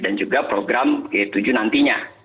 dan juga program g tujuh nanti